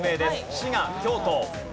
滋賀・京都。